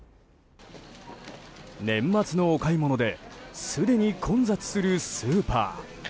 年末のお買い物ですでに混雑するスーパー。